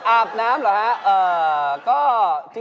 อาบน้ำเหรอครับ